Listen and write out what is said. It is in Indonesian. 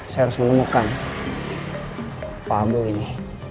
saya harus menemukan pak ambo ini